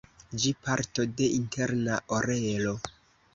Ĝi parto de interna orelo.